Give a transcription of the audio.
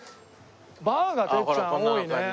バーがてっちゃん多いね。